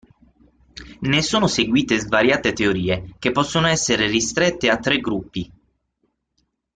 Ne sono seguite svariate teorie, che possono essere ristrette a tre gruppi.